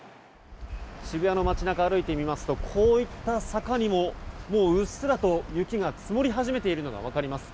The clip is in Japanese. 渋谷の街中歩いてみますとこういった坂にももううっすらと雪が積もり始めているのが分かります。